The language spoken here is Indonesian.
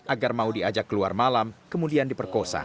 agar mau diajak keluar malam kemudian diperkosa